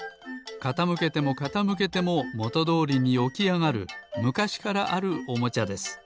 かたむけてもかたむけてももとどおりにおきあがるむかしからあるおもちゃです。